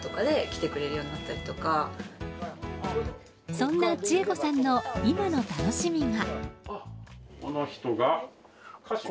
そんな千恵子さんの今の楽しみが。